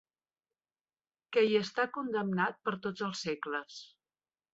...que hi està condemnat per tots els segles.